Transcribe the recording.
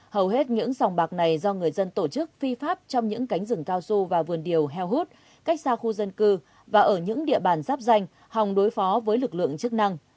hầu hết những sòng bạc này do người dân tổ chức phi pháp trong những cánh rừng cao su và vườn điều heo hút cách xa khu dân cư và ở những địa bàn giáp danh hòng đối phó với lực lượng chức năng